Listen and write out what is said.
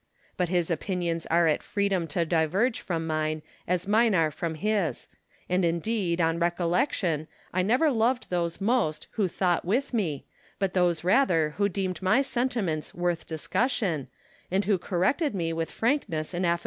But his opinions are at freedom to diverge from mine, as mine are from his ; and indeed, on recollection, I never loved those most who thought with me, but those rather who deemed my sentiments worth discussion, and who corrected me with frankness and afi'ability.